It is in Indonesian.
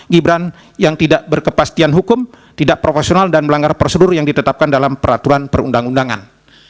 gibran yang tidak berkepastian hukum tidak profesional dan melanggar prosedur yang ditetapkan dalam peraturan perundang undangan